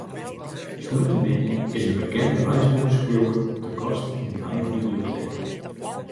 Sneontemiddei is in bekende reisboekeskriuwer te gast yn de nije biblioteek.